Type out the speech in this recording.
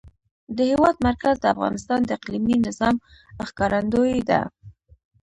د هېواد مرکز د افغانستان د اقلیمي نظام ښکارندوی ده.